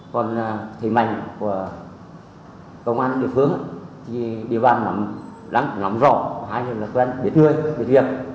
còn thế mạnh của công an địa phương thì địa bàn nắm rõ hay là tuyệt vời tuyệt việc